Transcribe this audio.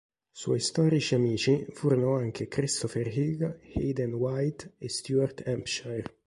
Suoi storici amici furono anche Christopher Hill, Hayden White e Stuart Hampshire.